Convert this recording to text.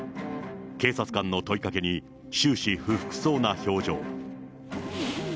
警察官の問いかけに、終始不服そうな表情。